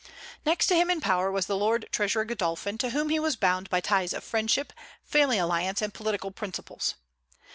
Next to him in power was the lord treasurer Godolphin, to whom he was bound by ties of friendship, family alliance, and political principles.